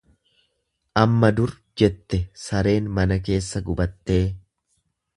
Amma dur jette sareen mana keessa gubattee.